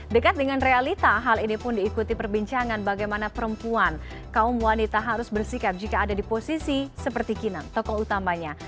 dekat dengan realita hal ini pun diikuti perbincangan bagaimana perempuan kaum wanita harus bersikap jika ada di posisi seperti kinan tokoh utamanya